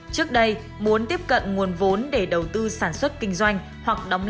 trước đây muốn tiếp cận nguồn vốn để đầu tư sản xuất kinh doanh hoặc đóng nợ